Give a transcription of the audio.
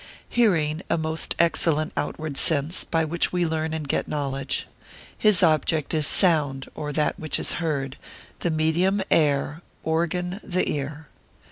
Hearing.] Hearing, a most excellent outward sense, by which we learn and get knowledge. His object is sound, or that which is heard; the medium, air; organ, the ear.